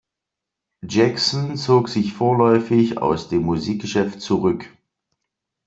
Jackson zog sich vorläufig aus dem Musikgeschäft zurück.